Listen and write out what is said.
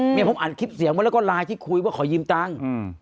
เมียผมอ่านคลิปเสียงไว้แล้วก็ไลน์ที่คุยว่าขอยืมตังค์